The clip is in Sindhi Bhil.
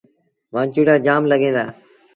وآنچوڙيآ جآم لڳيٚن دآ۔